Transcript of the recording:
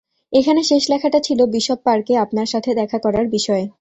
এখানে শেষ লেখাটা ছিল বিশপ পার্কে আপনার সাথে দেখা করার বিষয়ে।